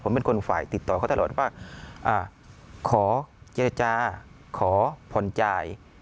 ผมเป็นคนฝ่ายติดต่อเขาตลอดว่าขอเจรจาขอผ่อนจ่าย